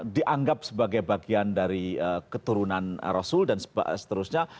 dianggap sebagai bagian dari keturunan rasul dan seterusnya